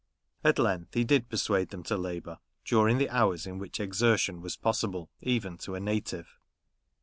At length he did persuade them to labour, during the hours in which exertion was possible, even to a native.